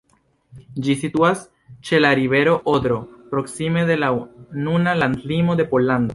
Ĝi situas ĉe la rivero Odro, proksime de la nuna landlimo de Pollando.